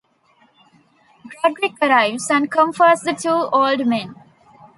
Roderick arrives, and comforts the two old men.